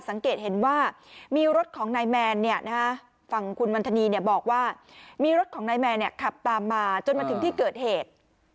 สังเกตเห็นว่ามีรถของนายแมนฝั่งคุณวันธนีบอกว่ามีรถของนายแมนขับตามมาจนมาถึงที่เกิดเหตุ